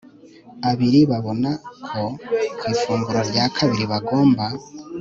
abiri babona ko ku ifunguro rya kabiri bagomba